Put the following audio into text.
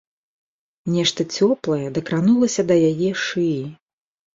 Нешта цёплае дакранулася да яе шыі.